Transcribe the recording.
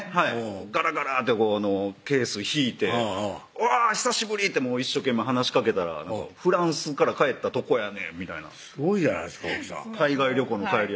ガラガラッてケース引いて「うわっ久しぶり！」って一生懸命話しかけたら「フランスから帰ったとこやねん」みたいなすごいじゃないですか奥さん海外旅行の帰り